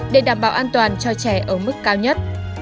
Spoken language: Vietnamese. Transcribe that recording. để đảm bảo an toàn cho trẻ ở mức cao nhất